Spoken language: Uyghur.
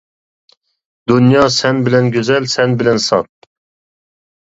دۇنيا سەن بىلەن گۈزەل، سەن بىلەن ساپ!